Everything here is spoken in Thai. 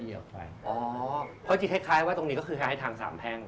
เพราะที่ตัดใครว่าตรงนี้ก็คือทางสำแพง